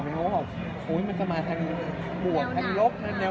ไม่คิดค่ะเพราะว่าปีที่แล้วติดไปแล้ว